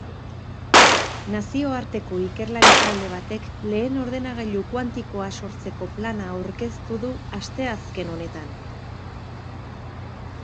Nazioarteko ikerlari talde batek lehen ordenagailu kuantikoa sortzeko plana aurkeztu du asteazken honetan.